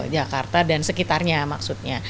jakarta dan sekitarnya maksudnya